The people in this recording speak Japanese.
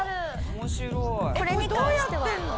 これどうやってんの？